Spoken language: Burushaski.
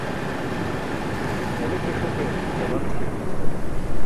Ġuniqiṣ huke daman ce gaṭići.